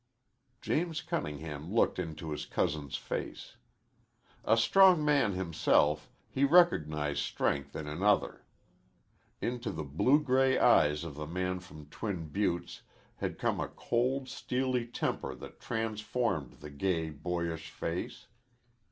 James Cunningham looked into his cousin's face. A strong man himself, he recognized strength in another. Into the blue gray eyes of the man from Twin Buttes had come a cold steely temper that transformed the gay, boyish face.